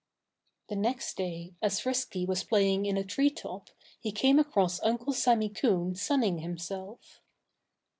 The next day, as Frisky was playing in a tree top, he came across Uncle Sammy Coon sunning himself.